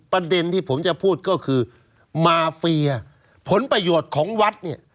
ประเด็นที่ผมจะพูดก็คือมาเฟียผลประโยชน์ของวัดเนี่ย